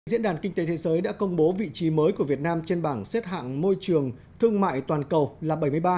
diễn đàn kinh tế thế giới đã công bố vị trí mới của việt nam trên bảng xếp hạng môi trường thương mại toàn cầu là bảy mươi ba một